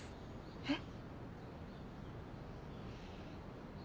えっ？